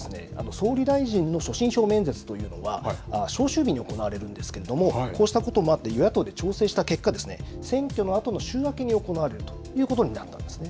総理大臣の所信表明演説というのは召集日に行われんですけれどもこうしたこともあって与野党で調整した結果選挙のあとの週明けに行われるということになったんですね。